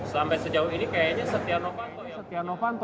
sampai sejauh ini kayaknya setia novanto